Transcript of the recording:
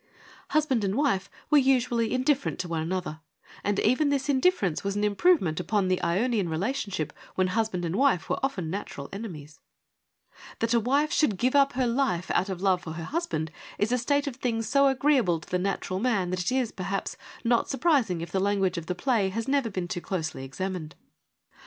Husband and wife were 128 FEMINISM IN GREEK LITERATURE usually indifferent one to another, and even this indifference was an improvement upon the Ionian relationship when husband and wife were often natural enemies. That a wife should give up her life out of love for her husband is a state of things so agreeable to the natural man that it is, perhaps, not surprising if the language of the play has never been too closely examined.